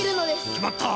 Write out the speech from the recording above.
きまった！